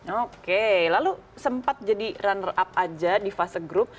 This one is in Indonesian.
oke lalu sempat jadi runner up aja di fase grup